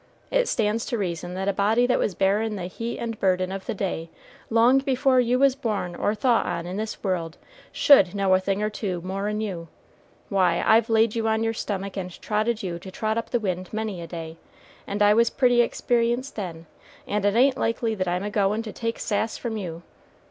It stands to reason that a body that was bearin' the heat and burden of the day long before you was born or thought on in this world should know a thing or two more'n you. Why, I've laid you on your stomach and trotted you to trot up the wind many a day, and I was pretty experienced then, and it ain't likely that I'm a goin' to take sa'ce from you.